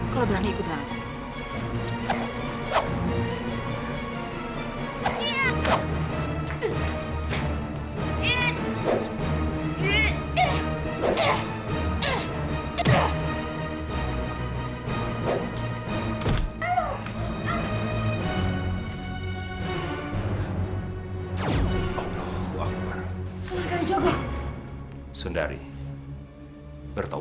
kalau berani ikut aku